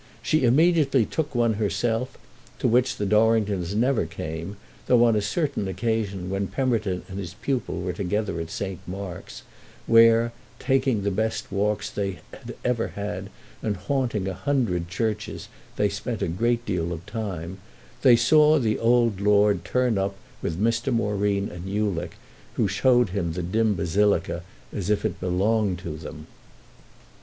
She immediately took one herself, to which the Dorringtons never came, though on a certain occasion when Pemberton and his pupil were together at St. Mark's—where, taking the best walks they had ever had and haunting a hundred churches, they spent a great deal of time—they saw the old lord turn up with Mr. Moreen and Ulick, who showed him the dim basilica as if it belonged to them.